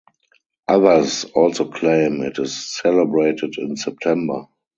Others also claim it is celebrated in September.